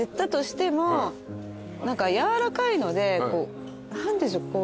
何か柔らかいので何でしょう？